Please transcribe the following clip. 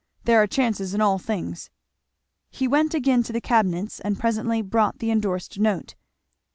There are chances in all things " He went again to the cabinets, and presently brought the endorsed note.